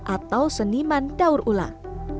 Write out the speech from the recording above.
atau seniman daur ulang